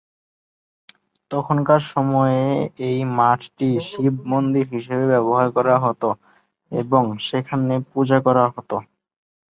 তখনকার সময়ে এই মঠটি শিব মন্দির হিসেবে ব্যবহার করা হত এবং সেখানে পূজা করা হত।